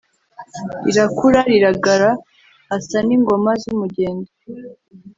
rirakura riragara. asa n’ingoma z’umugendo